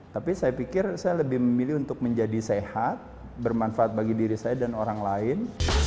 tapi saya pikir saya lebih memilih untuk menjadi sehat bermanfaat bagi diri saya dan orang lain